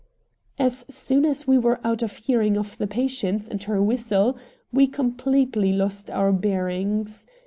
As soon as we were out of hearing of the Patience and her whistle, we completely lost our bearings.